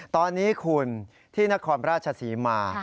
ตอนนี้คุณที่นครราชศรีมา